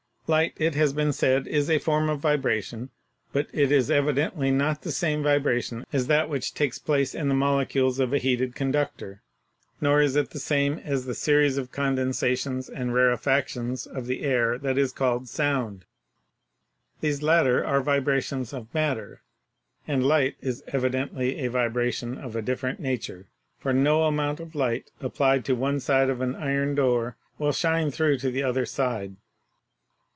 Light, it has been said, is a form of vibration, but it is evidently not the same vibration as that which takes place in the molecules of a heated conductor ; nor is it the same as the series of condensations and rarefactions of the air that is called sound. These latter are vibrations of matter, and light is evidently a vibration of a different nature, for no amount of light applied to one side of an iron door will shine through to the other side.